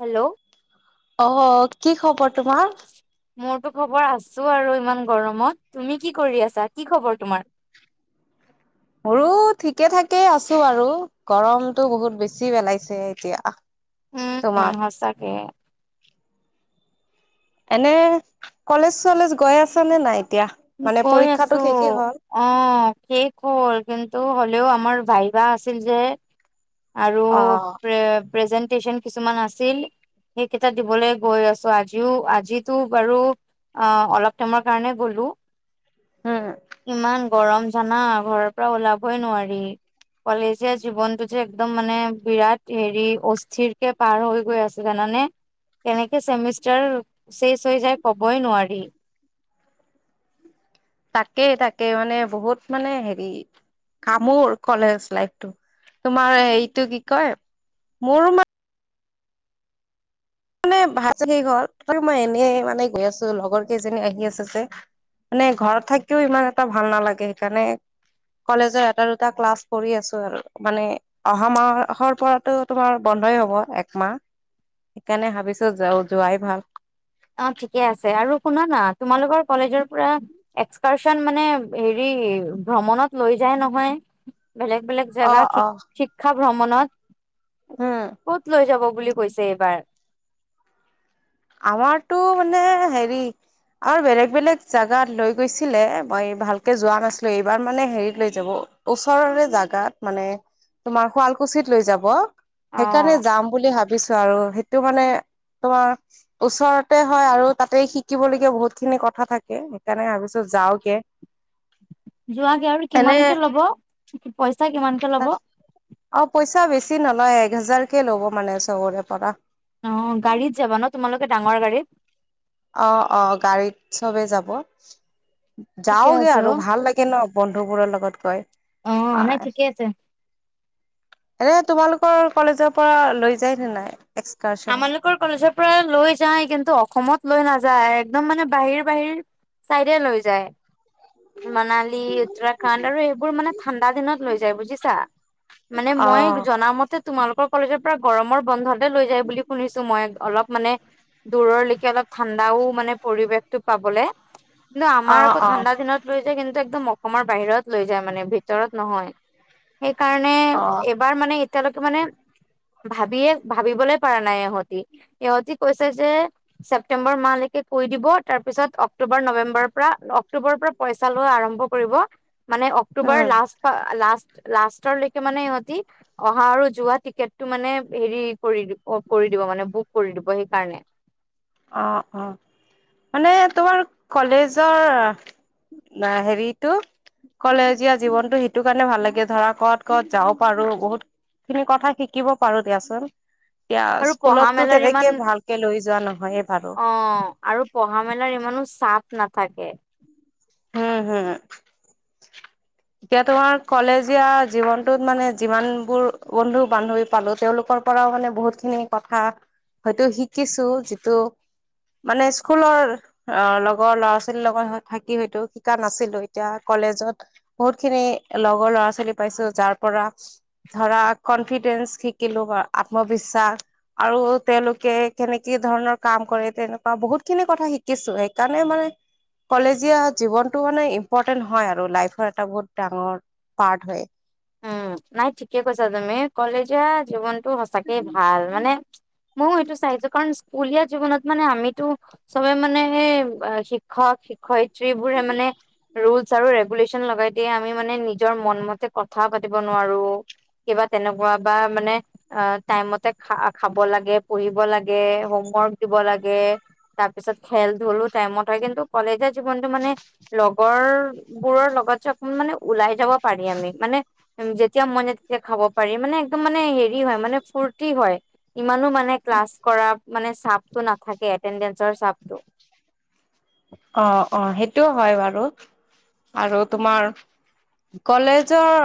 Hello অ' কি খবৰ তোমাৰ? মোৰতো খবৰ আছো আৰু ইমান গৰমত। তুমি কি কৰি আছা? কি খবৰ তোমাৰ? খা পা [inaudible] মোৰো! ঠিকে ঠাকে আছো আৰু! গৰমটো বহুত বেছি পেলাইছে এতিয়া। উম, তোমাৰ সচাকে। এনে, কলেজ চলেজ গৈ আছ নে নাই? এতিয়া? মানে গৈ পৰীক্ষাটো আছো। শেষেই হ'ল অ শেষ হ'ল। কিন্তু হ'লেও আমাৰ ভাইভা আছিল যে? আৰু অ', প্ৰে প্ৰেজেণ্টেচন কিছুমান আছিল! সেইকেইটা দিবলৈ গৈ আছো। আজিও, আজিটো বাৰু অ'অলপ টাইমৰ কাৰণে গ'লো! উম, ইমান গৰম জানা! ঘৰৰ পৰা ওলাবই নোৱাৰি। কলেজীয়া জীৱনটো যে একদম মানে বিৰাট হেৰি, অস্থিৰ কে পাৰ হৈ গৈ আছে জানা! মানে, কেনেকৈ ছেমিষ্টাৰ শেষ হৈ যায়, ক'বই নোৱাৰি। তাকেই, তাকেই, মানে বহুত মানে হেৰি, কামোৰ। কলেজ লাইফটো। তোমাৰ হেৰিটো কি কয়, মোৰো মা মানে [unintelligible] তথাপিও মই এনেই মানে গৈ আছো, লগৰ কেইজনীও আহি আছে যে! মানে, ঘৰত থাকিও ইমান এটা ভাল নালাগে। সেইকাৰণে কলেজৰ এটা দুটা ক্লাছ কৰি আছো আৰু। মানে অহা মাহৰ পৰাতো তোমাৰ বন [unintelligible] হ'ব একমাহ। সেইকাৰণে ভাবিছো যোৱাই ভাল! অ', ঠিকেই আছে আৰু শুনা না, তোমালোকৰ কলেজৰ পৰা এক্সকাৰচন মানে হেৰি কি, ভ্ৰমণত লৈ যায় নহয়! বেলেগ-বেলেগ জেগাত অ', শিক অ', শিক্ষা ভ্ৰমণত, উম ক'ত লৈ যাব? বুলি কৈছে এইবাৰ। আমাৰতো মানে, হেৰি আৰু বেলেগ বেলেগ ঠাইলৈ লৈ গৈছিলে, মই ভালকে যোৱা নাছিলো। এইবাৰ মানে হেৰিত লৈ যাব। ওচৰৰে জাগাত মানে তোমাৰ শুৱালকুছিত লৈ যাব। অ সেইকাৰণে যাম বুলি ভাবিছো আৰু। সেইটো মানে তোমাৰ ওচৰতে হয় আৰু তাতে শিকিবলগীয়া বহুত খিনি কথা থাকে। সেইকাৰণে ভাবিছো যাওগে। যোৱাগে আৰু কিমানকে ল'ব? পইচা কিমানকে ল'ব? তাত অ পইচা বেছি নলয়, এক হোজাৰ কে ল'ব মানে চবৰে পৰা। অ', গাড়ীত যাবা নহ তোমালোকে? ডাঙৰ গাড়ীত। অ'-অ', গাড়ীত চবেই যাব। ঠিকে যাওগে আছে আৰু ভাল লাগে ন বন্ধুবোৰৰ লগত গৈ। অহ, নাই হয় ঠিকেই আছে। এনে তোমালোকৰ কলেজৰ পৰা লৈ যায় নে নাই? এক্সকাৰচনত আমালোকৰ কলেজৰ পৰা লৈ যায়, কিন্তু অসমত লৈ নাযায়। যায়, একদম মানে বাহিৰ-বাহিৰ চাইডে লৈ যায়। মানালী, উত্তৰাখণ্ড আৰু এইবোৰ মানে ঠাণ্ডা দিনত লৈ যায়, বুজিছা। মানে অ মই জনা মতে তোমালোকৰ কলেজৰ পৰা গৰমৰ বন্ধতে লৈ যায়। বুলি শুনিছো মই, অলপ মানে দূৰলৈকে অলপ ঠাণ্ডাও মানে পৰিবেশতটো পাবলে। কিন্তু অ আমাৰ আকৌ অ ঠাণ্ডা দিনত লৈ যায় কিন্তু একদম অসমৰ বাহিৰত লৈ যায় মানে, ভিতৰত নহয়। সেইকাৰণে অ এইবাৰ মানে এতিয়ালৈকে মানে ভাবিয়ে ভাবিবলে। পৰা নাই ইহঁতি। ইহঁতি কৈছে যে ছেপ্টেম্বৰ মাহলেকে কৈ দিব, তাৰপিছত অক অক্টোবৰ নৱেম্বৰৰ পৰা, অক্টোবৰৰ পৰা পইচা লোৱা আৰম্ভ কৰিব। মানে অক্টোবৰ উম লাষ্ট ফা লাষ্ট। লাষ্টৰলৈকে মানে ইহঁতি অহা আৰু যোৱা টিকেটটো মানে হেৰি কৰি দিব। কৰি দিব মানে, বুক কৰি দিব সেইকাৰণে। অ'-অ', মানে তোমালোক কলেজৰ নাই, হেৰিটো কলেজীয়া জীৱনতটো সেইটো কাৰণে ভাল লাগে। ধৰা, ক'ত-ক'ত যাব পাৰো। বহুত খিনি কথা শিকিব পাৰো দিয়াচোন, এতিয়া আৰু পঢ়া স্কুলততো মেলাৰ ইমান তেনেকে ভালকে লৈ যোৱা ন। অ', আৰু পঢ়া মেলাৰ ইমানো চাপ নাথাকে। হম-হম। এতিয়া তোমাৰ কলেজীয়া জীৱনতটোত মানে যিমান বোৰ বন্ধু-বান্ধৱী পালো, তেওঁলোকৰ পৰাও মানে বহুত খিনি কথা হয়তো শিকিছো, যিটো মানে স্কুলৰ অ লগৰ ল'ৰা-ছোৱালীৰ লগত থাকি সেইটো শিকা নাছিলো। এতিয়া কলেজত বহুত খিনি লগৰ ল'ৰা-ছোৱালী পাইছো, যাৰ পৰা ধৰা, কনফিডেন্ঞ্চ শিকিলো, আত্মবিশ্বাস। আৰু তেওঁলোকে কেনেকে ধৰণৰ কাম কৰে, তেনেকুৱা বহুত খিনি কথা শিকিছো। সেইকাৰণে মানে কলেজীয়া জীৱনতটো মানে ইম্পৰটেন্ট হয় আৰু। লাইফৰ এটা বহুত ডাঙৰ পাৰ্ট হয়। উম, নাই ঠিকে কৈছা তুমি কলেজ জীৱন টো সঁচাকে ভাল মানে ময়ো সেইটো চাইছো কাৰণ স্কুলীয়া উলীয়া জীৱনত মানে আমিতো চবে মানে সে শিক্ষক শিক্ষয়িত্ৰী বোৰে মানে। ৰুলচ আৰু ৰেগুলেশচন লগাই দিয়ে আমি মানে নিজৰ মন মতে কথা পাতিব নোহোৱাৰো কিবা তেনেকুৱা বা মান খা খাব লাগে পুঢ়িব লাগে হোমৱৰ্ক দিব লাগে। তাৰ পিছত খেল ধলো টাইমত হয় কিন্তু কলেজীয়া জীৱনতটো মানে লগৰ বোৰৰ লগ। লগছ অক মানে ওলাই যাব পাৰি আমি মানে, যেতিয়া মন যায় তেতিয়া খাব পাৰি মানে একদম মানে হেৰি হয় মানে ফূৰ্তি হয়। ইমানো মানে ক্লাছ কৰা মানে চাপটো নাথাকে এটেনডেঞ্চৰ চাপটো। অ-অ সেইটোও হয় বাৰু আৰু তোমাৰ কলেজৰ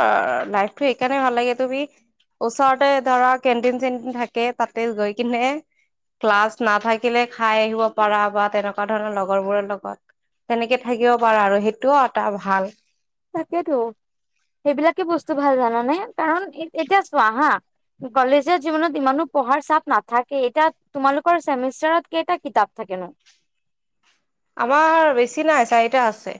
লাইফটো সেইকাৰণে ভাল লাগে তুমি ওচৰতে ধৰা কেণ্টিন চেণ্টিন থাকে তাতে গৈ কিনে ক্লাছ নাথাকিলে খাই আহিব পাৰা বা তেনেকুৱা ধৰণৰ লগৰবোৰৰ লগত তেনেকে থাকিব পাৰা আৰু সেইটোও এটা ভাল তাকেতো সেইবিলাকে বস্তু ভাল জানানে কাৰণ এতিয়া চোৱা হা কলেজৰ জিৱনত ইমানো পঢ়াৰ চাপ নাথাকে এতিয়া তোমালোকৰ চছেমেষ্টাৰত কেইটা কিতাপ থাকে ক নো আমাৰ বেছি নাই চাৰিটা আছে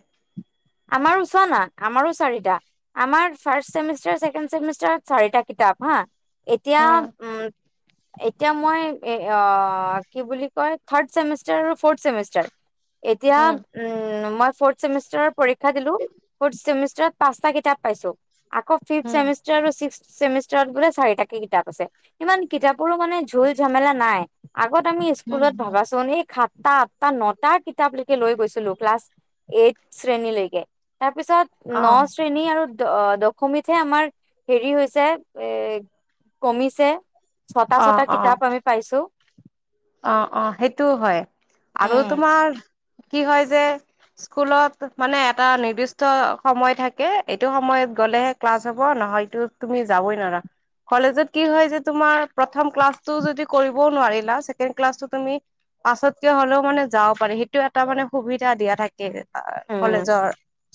আমাৰ চ না আমাৰো চাৰিটা আমাৰ ফাৰ্ষট চছেমিষ্টাৰছেকেডছেমষ্টাৰ চাৰিটা কিতাপ হা এতিয়া উম এতিয়া মই কি বুলি কয় থাৰডেমষ্টাৰ আৰু ফৰ্ষ্ট এতিয়া উম উ মই ফেমষ্টাৰ ষ্টাৰচটা উম পছোষ্টাৰ চেমিষ্টাৰত বোলে চাৰিটাকে কিতাপ আছে ইমান কিতাপৰো মানে ঝোল ঝমেলা নাই আগত আমি উম স্কুলত উম ভাবাচোন এই খ তাত তাত নটা কিতাপলৈকে লৈ গৈছিলো ক্লাছ এইট শ্ৰেণীলৈকে তাৰপিছত ন অ শ্ৰেণী আৰু দশমীতহে আমাৰ হেৰি হৈছে এ কমিছে ছটা অ ছটা অ কিতাপ আমি পাইছো অ অ সেইটোও হয় আৰু তোমাৰ কি হয় যে স্কুলত মানে এটা নিৰ্দিষ্ট সময় থাকে এইটো সময়ত গলেহে ক্লাছ হব ন হয়তো তুমি যাবই নোৱাৰা কলেজত কি হয় যে তোমাৰ প্ৰথম ক্লাছটো যদি কৰিবও নোৱাৰিলা তুমি পাছত কিয় হলেও মানে যাব পাৰি সেইটো এটা মানে সুবিধা দিয়া থাকে উম কলেজৰ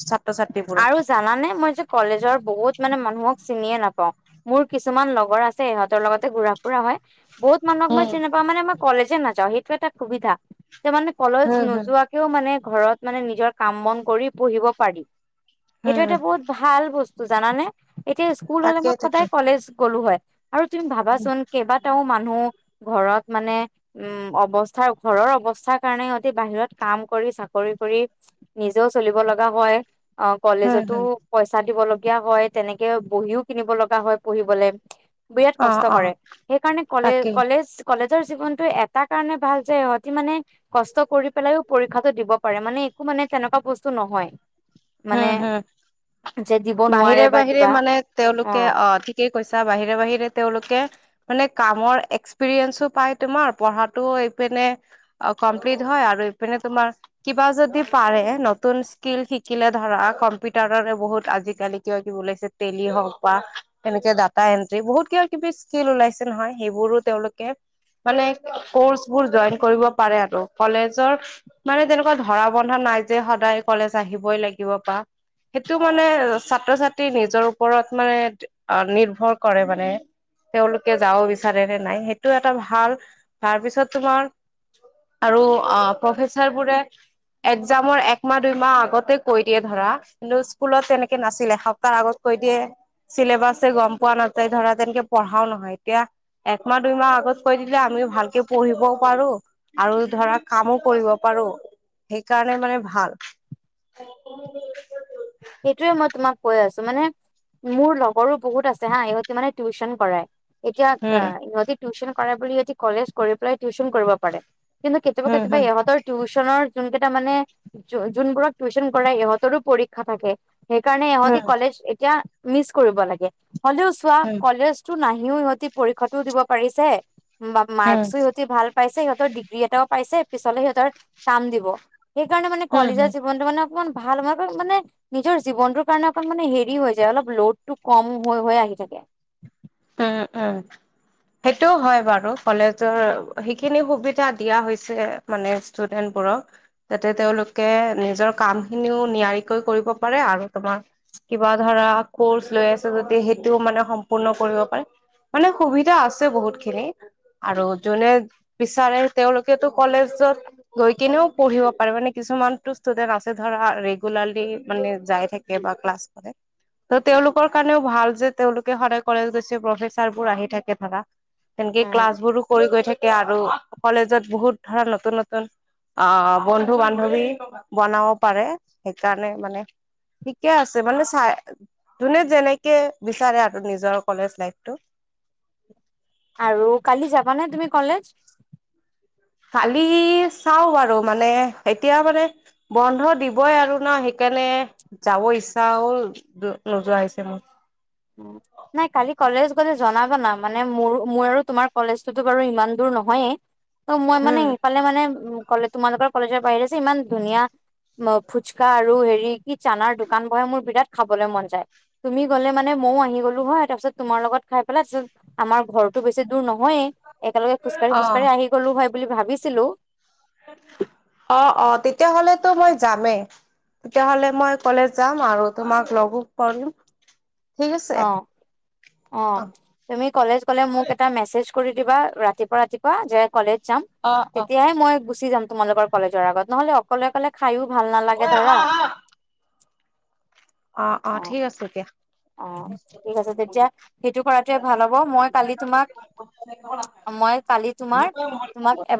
ছাত্ৰ ছাত আৰু জানানে মই যে কলেজৰ বহুত মানে ম মোক চিনিয়ে নাপাও মোৰ কিছুমান লগৰ আছে ইহঁতৰ লগতে ঘুৰা ফুৰা হয় বহত মানুহক মই উম চিনে পা মানেমই কলেজে নাযাওঁ সেইটো এটা সুবিধা ত মানে কলেজ হম হম নোযোৱাকেও মানে ঘৰত মানে নিজৰ কাম বন কৰি পঢ়িব পাৰি সেইটো হম এটা বহুত ভাল বস্তু জানানে এতিয়া স্কুল হলে তাকে মই তাকে সদায় কলেজ গ'লো হয় আৰু তুমি ভাবাচোন কেইবাটাও মানুহ ঘৰত মানে উম অৱস্থাৰ ঘৰৰ অৱস্থাৰ কাৰণে সহতি বাহিৰত কাম কৰি চাকৰি কৰি নিজেও চলিব লগা হয় অ হম কলেজতো হম পইচা দিব লগ হয় তেনেকে বহিও কিনিব লগা হয় পঢহিবলে বিৰাট অ কষ্ট অ কৰে সেইকাৰণে কলে তাকে কলেজ কলেজ ৰ জীৱনতটো এটা কাৰণে ভাল যে সহতি মানে কষ্ট কৰি পেলাইও পৰীক্ষাটো দিব পাৰে মানে মানে তেনেকুৱা বস্তু নহয় হ মানে হা যে দিব বাহিৰে নোৱাৰে বা বাহিৰে কিবা মানে তেওঁলোকে অ ঠিকেই কৈছা বাহিৰে বাহিৰে তেওঁলোকে মান কৰ এক্সপিৰিয়ে প তোমাৰ পঢ়টোিনে কপ্ি হয় আৰুপিনে তোমাৰ কিবা যদি পাৰে নতুন স্কিল িকিলে ধৰা কম্পিউটাৰৰ বহুত আজিকালি কিবা কিব ওলাইছে টেলি হওক বা তেনেকে দা বু ক ক স্ লাইছে নহয় সেইবোৰো তেওঁলোকে মানে কৰ্চ বোৰ জইন কৰিব পাৰে আৰু কলেজৰ মানে তেনেকুৱা ধৰা বন্ধা ন নাইজে সদায় কলেজ আহিবই লাগিব বাা সেইটো মানে ছাত্ৰ ছাত্ৰী নিজৰ ওপৰত মানে নিৰ্ভৰ কৰে মানে তেওঁলোকে যাব বিচাৰে নে নাই সেইটো এটা ভাল তাৰ পিছত তোমাৰ আৰু অ প্ৰফেচাৰ বোৰে একজামৰ একমাহ দুইমাহ আগত ততে কৈ দিয়ে ধৰা কিন্তু স্কুলত তেনেকে নাছিলে এসপ্তাহৰ আগত কৈ দিয়ে চছিলেবাছেছে গম পোৱা নাযায় ধৰা তেনেকে পঢ়াও নহয় এতিয়া একমাহ দুইমাহ আগত কৈ দিলে আমি ভালকে পঢ়িবও পাৰো আৰু ধৰা কামো কৰিব পাৰো। সেইকাৰণে মানে ভাল। সেইটোয়ে মই তোমাক কৈ আছো মানে মোৰ লগৰো বহুত আছে হা ইহতি মানে টিউচন কৰাই। এতিয়া হম ইহতি টিউশচন কৰে বুলি ইহতি কলেজ কৰি পেলাই টিউশচন কৰিব পাৰে। কিন্তু কেতিাবা হম কেতিয়া হম এহতৰ টিও নৰ যোন কেইটা মানে যোনবোৰক টিউশচন কৰা ইহতৰো পৰীক্ষা থাকে। সেইকাৰণে ইহতি হম কলেজ এতিয়া মিচ কৰিব লাগে হলেও চোৱা হম কলেজ টো নাহ। ও সহতি পৰীক্ষাও দিব পাৰিছে উম, মাৰ্কও সহতি ভাল পাইছে সিহতৰ ডিগ্ৰী এটাও পাইছে পিছলে সিহতৰ কাম দিব। সেইকাৰণে মানে হম, কলেজৰ হম, জীৱনতটো মানে ইমান ভাল ভাবে মানে নিজৰ জীৱনটোৰ কাৰণে অকণ মানে হেৰি হৈ যায় অলপ লোডটো কম হৈ - হৈ আহি থাকে। উম - উম। সেইটোও হয় বাৰু কলেজৰ সেইখিনি সুবিধা দিয়া হৈছে মানে ষ্টুডেন্ট বোৰক তাতে তেওলোকে নিজৰ কাম খিনিও নিয়াৰিকৈ কৰিব পাৰে আৰু তোমাৰ কিবা ধৰা কৰ্চ লৈ আছে যদি সেইটোও মানে সম্পূৰ্ণ কৰিব। মানে সুবিধা আছে বহুত খিনি। আৰু যোনে বিচাৰে তেওলোকেতো কলেজত গৈ কিনেও পঢ়িব পাৰে মানে কি কিছুমান ষ্টুডেট আছে ধৰা ৰেগুলাৰলি মানে যাই থাকে বা ক্লাছ কৰে। ত তেওলোকৰ কাৰণেও ভাল যে তেওলোকে সদায় কলেজ গ প্ৰফেচাৰবোৰ আহি থাকে ধৰা। তেনেকে উম ক্লাছ বোৰো কৰি গৈ থাকে আৰু কলেজত বহুত ধৰা নতুন- নতুন অ, বন্ধু বান্ধৱী বনাব পাৰে সেইকাৰণে মানে ঠিকে আছে মানে চাই যোনে যেনেকে বিচাৰে আৰু নিজৰ কলেজ লাইফটো। আৰু কালি যাবানে তুমি কলেজ? কালি চাও বাৰু মানে এতিয়া মানে বন্ধ দিবই আৰু না সেই তেনে যাব ইচ্ছা হ'ল নোযোৱা হৈছে মোৰ। উ নাই কালি কলেজ গলে জনাবা না মানে মোৰ মোৰ আৰু তোমাৰ কলেজ ততো বাৰু ইমান দূৰ নহয়ে ত মই মানে উম সেইফালে মানে উ, কলে তোমালোকৰ কলেজৰ বাহিৰে যে ইমান ধুনীয়া অ, ফুচকা আৰু হেৰি কি চানাৰ দোকান বহে মোৰ বিৰাট খাবলৈ মন যায় তুমি গ'লে মান। মানে মইয়ো আহি গ'লো হয় তাৰপিছত তোমাৰ লগত খাই পেলাই তাৰপিছত আমাৰ ঘৰৰতো বেছি দূৰ নহয়েই। একেলগে খোজকাঢ়ি - অ খোজকাঢ়ি গলো ভাই বুলি ভাবিছিলো। অ - অ তেতিয়াাহলেতো মই যামেই। তেতিয়াহলে মই কলেজ যাম আৰু তোমাক লগো কৰিম। ঠিক আছে অ - অ তুমি কলেজ গলে মোক এটা মেচেজ কৰি দিবা ৰাতিপুৱা - ৰাতিপুৱা যে কলেজ যাম অ অ তেতিয়াহে মই গুচি যাম তোমালোকৰ কলেজৰ আগত নহলে অকলে অকলে খায়ো ভাল নালাগে ধৰা। অ - অ ঠিক আছে দিয়া। অ, ঠিক আছে তেতিয়া সেইটো কৰাটোৱে ভাল হব মই কালি তোমাক মই কালি তোমাৰ তোমাক এনেকুৱা